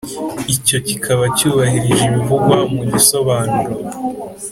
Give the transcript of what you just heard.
Icyo kikaba cyubahirije ibivugwa mu gisobanuro